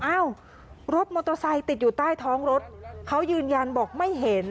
อ้าวรถมอเตอร์ไซค์ติดอยู่ใต้ท้องรถเขายืนยันบอกไม่เห็น